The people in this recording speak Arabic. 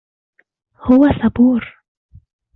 هو صبور.